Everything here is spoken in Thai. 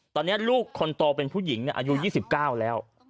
ตอนนี้ลูกคนโตเป็นผู้หญิงอายุ๒๙แล้ว